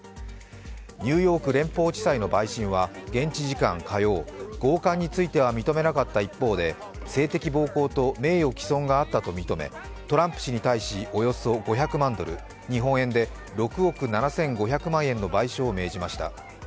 ニューヨーク連邦地裁の陪審は現地時間火曜強姦については認めなかった一方で性的暴行と名誉毀損があったと認めトランプ氏に対し、およそ５００万ドル、日本円で６億７５００万円の賠償を認めました。